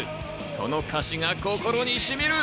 その歌詞が心にしみる！